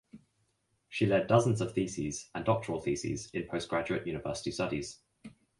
She led dozens of theses and doctoral theses in postgraduate university studies.